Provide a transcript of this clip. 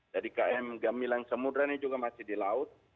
jadi km gemilang samudera ini juga masih di laut